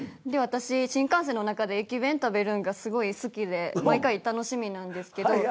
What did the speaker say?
私新幹線の中で駅弁食べるんがすごい好きで毎回楽しみなんですけど。